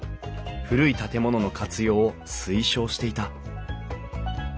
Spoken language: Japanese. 古い建物の活用を推奨していた